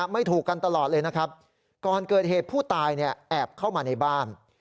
ไม่ถูกกันตลอดเลยนะครับก่อนเกิดเหตุผู้ตายเนี่ยแอบเข้ามาในบ้าน